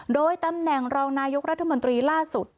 โดยตำแหน่งรองนายกรัฐมนตรีล่าสุด